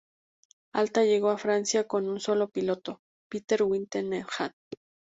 Alta llegó a Francia con un solo piloto, Peter Whitehead.